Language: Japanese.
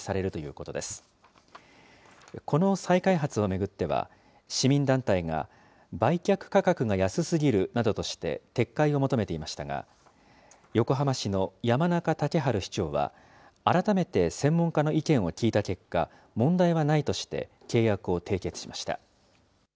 この再開発を巡っては、市民団体が、売却価格が安すぎるなどとして、撤回を求めていましたが、横浜市の山中竹春市長は、改めて専門家の意見を聞いた結果、問題はないとして、契約を締結しました。